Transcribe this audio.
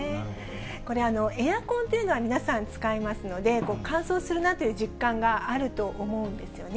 これ、エアコンというのは、皆さん使いますので、乾燥するなという実感があると思うんですよね。